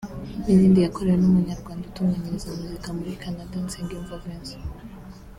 n’izindi yakorewe n’umunyarwanda utunganyiriza muzika muri Canada ‘Nsengiyumva Vincent’